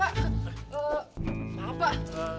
pak pak pak